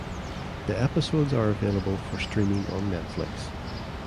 The episodes are available for streaming on Netflix.